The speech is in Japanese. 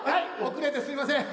遅れてすいません。